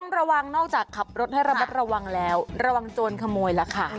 ระวังนอกจากขับรถให้ระมัดระวังแล้วระวังโจรขโมยล่ะค่ะ